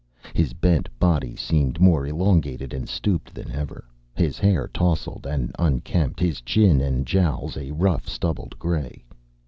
His bent body seemed more elongated and stooped than ever, his hair tousled and unkempt, his chin and jowls a rough stubbled gray.